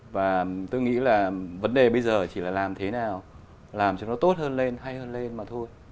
và tôi nghĩ là vấn đề bây giờ chỉ là làm thế nào làm cho nó tốt hơn lên hay hơn lên mà thôi